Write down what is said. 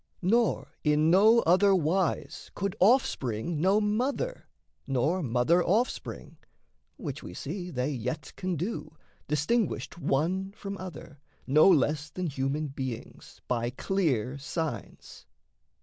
Nor in no other wise could offspring know Mother, nor mother offspring which we see They yet can do, distinguished one from other, No less than human beings, by clear signs.